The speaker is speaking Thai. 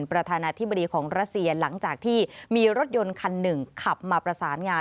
ประธานาธิบดีของรัสเซียหลังจากที่มีรถยนต์คันหนึ่งขับมาประสานงาน